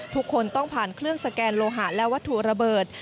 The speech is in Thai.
ทุกคนต้องผ่านเครื่องสแกนโลหะและวัตถุระเบิด